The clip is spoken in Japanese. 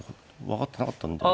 分かってなかったんで。